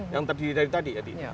yang terdiri dari tadi